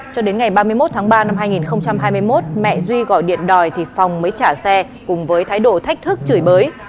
qua năm hai nghìn hai mươi một mẹ duy gọi điện đòi thì phòng mới trả xe cùng với thái độ thách thức chửi bới